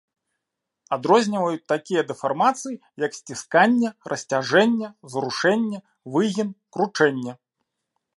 Адрозніваюць такія дэфармацыі, як сцісканне, расцяжэнне, зрушэнне, выгін, кручэнне.